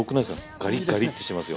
ガリガリってしてますよ。